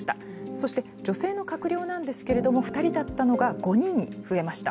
そして女性の閣僚なんですけれども２人だったのが５人に増えました。